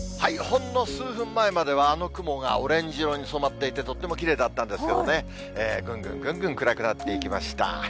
ほんの数分前までは、あの雲がオレンジ色に染まっていて、とってもきれいだったんですけどね、ぐんぐんぐんぐん暗くなっていきました。